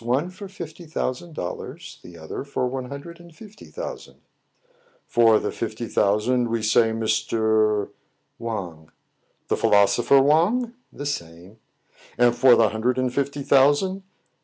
One for fifty thousand dollars, the other for one hundred and fifty thou sand." " For the fifty thousand, we say Mr. ?" "Wang." " The philosopher Wang ?" "The same." "And for the hundred and fifty thousand?"